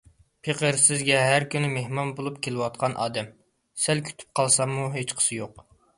پېقىر سىزگە ھەر كۈنى مېھمان بولۇپ كېلىۋاتقان ئادەم، سەل كۈتۈپ قالساممۇ ھېچقىسى يوق.